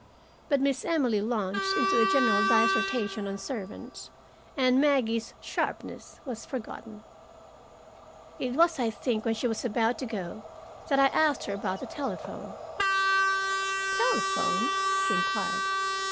But Miss Emily launched into a general dissertation on servants, and Maggie's sharpness was forgotten. It was, I think, when she was about to go that I asked her about the telephone. "Telephone?" she inquired.